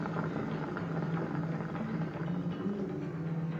うん。